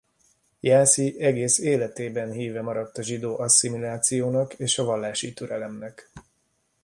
Jászi egész életében híve maradt a zsidó asszimilációnak és a vallási türelemnek.